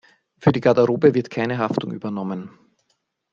Für die Garderobe wird keine Haftung übernommen.